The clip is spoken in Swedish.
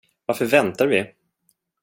Varför väntar vi?